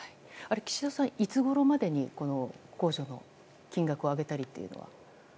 岸田さん、いつごろまでに控除の金額を上げたりというのは。